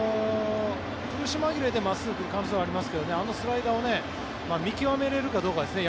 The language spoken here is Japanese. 苦し紛れで真っすぐが来る可能性はありますけどあのスライダーを見極められるかどうかですね。